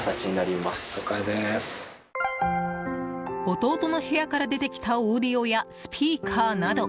弟の部屋から出てきたオーディオやスピーカーなど